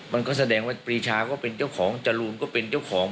มันก็แสดงว่าปรีชาก็เป็นเจ้าของจรูนก็เป็นเจ้าของ